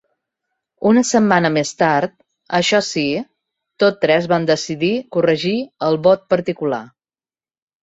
Una setmana més tard, això sí, tots tres van decidir corregir el vot particular.